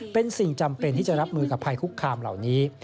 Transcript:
เป็นสิ่งจำเป็นที่จะรับมือกับภัยคุกคามเหล่านี้